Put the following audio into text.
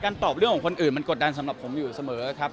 ตอบเรื่องของคนอื่นมันกดดันสำหรับผมอยู่เสมอครับ